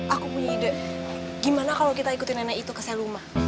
aku punya ide gimana kalau kita ikutin nenek itu ke seluma